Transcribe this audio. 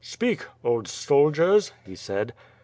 "Speak, old soldiers," he said.